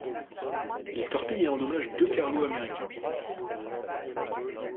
Il torpille et endommage deux cargos américains.